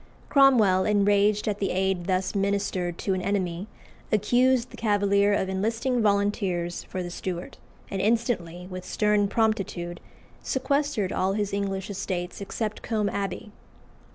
Cromwell, enraged at the aid thus ministered to an enemy, accused the Cavalier of enlisting volunteers for the Stuart, and instantly, with stern promptitude, sequestered all his English estates except Combe Abbey.